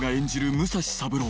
武蔵三郎